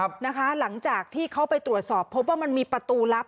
หลังจากที่เขาไปตรวจสอบพบว่ามันมีประตูลับ